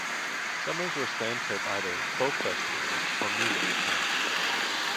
Summers were spent at either folk festivals or music camps.